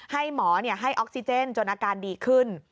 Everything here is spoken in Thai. ให้หมอให้ออกซิเจนจนอาการดีขึ้น